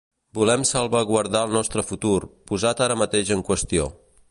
Volem salvaguardar el nostre futur, posat ara mateix en qüestió.